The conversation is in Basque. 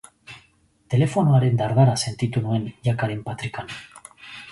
Telefonoaren dardara sentitu nuen jakaren patrikan.